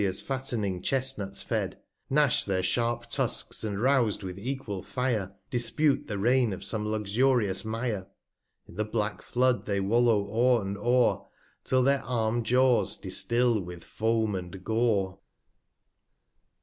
r R ir i A 35 Or on tPestphalias fattening Chest nuts fed, Gnash their sharp Tusks, and rous'd with equal Fire, Dispute the Reign of some luxurious Mire ; In the black Flood they wallow o'er and o'er, 'Till their arm'd Jaws distill with Foam and Gore.